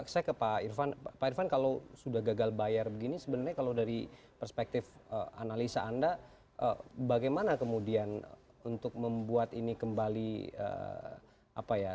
saya ke pak irfan pak irvan kalau sudah gagal bayar begini sebenarnya kalau dari perspektif analisa anda bagaimana kemudian untuk membuat ini kembali apa ya